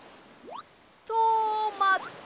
とまった！